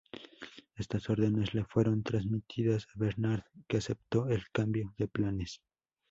Estas órdenes le fueron transmitidas a Bernard que aceptó el cambio de planes.